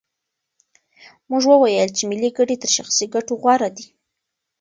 موږ وویل چې ملي ګټې تر شخصي ګټو غوره دي.